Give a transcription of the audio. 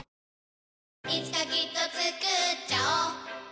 いつかきっとつくっちゃおう